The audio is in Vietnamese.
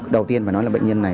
đầu tiên phải nói là bệnh nhân này